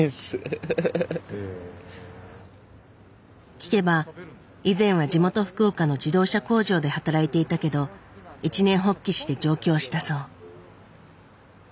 聞けば以前は地元福岡の自動車工場で働いていたけど一念発起して上京したそう。